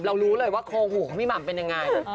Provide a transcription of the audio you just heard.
รู้เลยว่าโคหูของพี่หม่ำเป็นยังไง